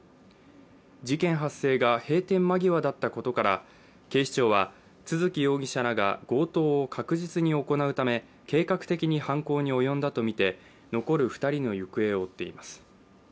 事件発生が閉店間際だったことから警視庁は、都築容疑者らが強盗を確実に行うため計画的に犯行に及んだとみて残る２人の行方を追っています。